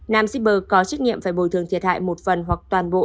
nam shipper có trách nhiệm phải bồi thường thiệt hại một phần hoặc toàn bộ